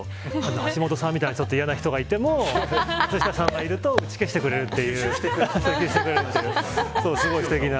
橋下さんみたいなちょっと嫌な人がいても松下さんがいると打ち消してくれるというすごいすてきな。